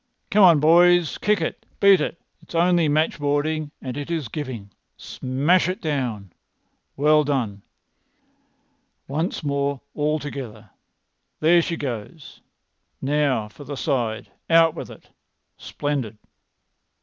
"Come on, boys! Kick it! Beat it! It's only matchboarding, and it is giving. Smash it down! Well done! Once more all together! There she goes! Now for the side! Out with it! Splendid!"